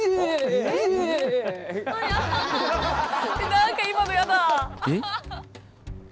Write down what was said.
何か今のやだ。